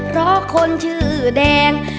เพราะคนชื่อแดง